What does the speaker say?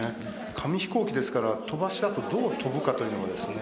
紙飛行機ですから飛ばしたあとどう飛ぶかというのはですね